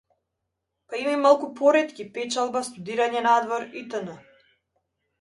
Па има и малку поретки, печалба, студирање надвор итн.